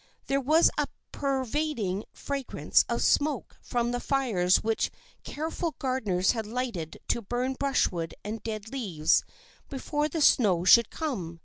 There was a pervading fragrance of smoke from the fires which careful gardeners had lighted to burn brushwood and dead leaves before the snow should come.